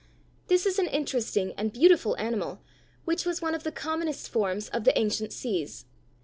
This is an interesting and beautiful animal which was one of the commonest forms of the ancient seas.